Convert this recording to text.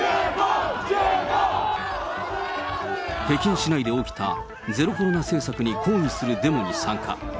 北京市内で起きたゼロコロナ政策に抗議するデモに参加。